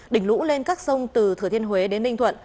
đỉnh lũ lên các sông từ thừa thiên huế đến ninh thuận